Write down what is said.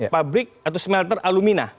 fabrik atau smelter alumina